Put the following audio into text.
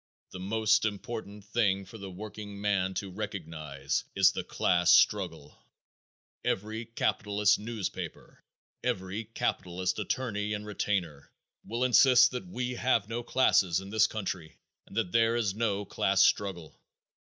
The most important thing for the workingman to recognize is the class struggle. Every capitalist, every capitalist newspaper, every capitalist attorney and retainer will insist that we have no classes in this country and that there is no class struggle.